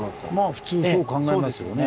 普通そう考えますよね。